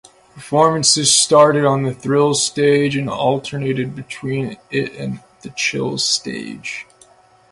Performances started on the Thrills stage and alternated between it and the Chills stage.